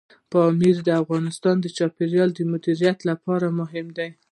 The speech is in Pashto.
پامیر د افغانستان د چاپیریال د مدیریت لپاره مهم دی.